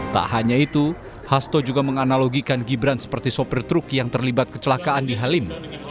tak hanya itu hasto juga menganalogikan gibran seperti sopir truk yang terlibat kecelakaan di halim